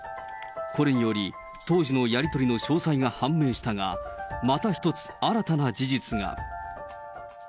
これにより、当時のやり取りの詳細が判明したが、また一つ、新たな事実が。